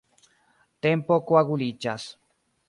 Tempo koaguliĝas.